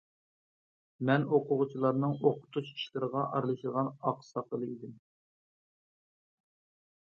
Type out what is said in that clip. مەن ئوقۇغۇچىلارنىڭ ئوقۇتۇش ئىشلىرىغا ئارىلىشىدىغان ئاقساقىلى ئىدىم.